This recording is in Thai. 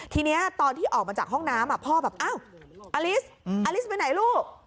ทีนี้ตอนที่ออกมาจากห้องน้ำพ่อแบบอ้าวอลิสอลิสไปไหนลูก